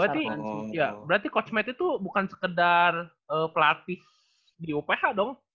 berarti ya berarti kochmet itu bukan sekedar pelatih di uph dong